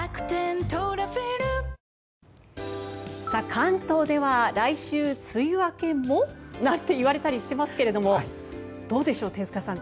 関東では来週、梅雨明けも？なんていわれたりしてますけどもどうでしょう、手塚さん。